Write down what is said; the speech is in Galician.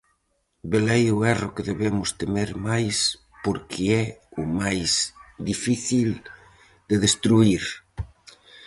Velaí o erro que debemos temer máis porque é o máis difícil de destruír.